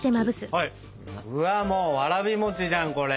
うわもうわらび餅じゃんこれ。